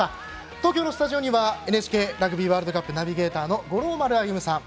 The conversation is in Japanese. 東京のスタジオはＮＨＫラグビーワールドカップナビゲーターの五郎丸歩さん。